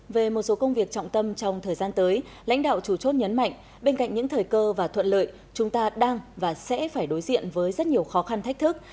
về một số công việc trọng tâm trong thời gian tới lãnh đạo chủ chốt nhấn mạnh bên cạnh những thời cơ và thuận lợi chúng ta đang và sẽ phải đối diện với rất nhiều khó khăn thách thức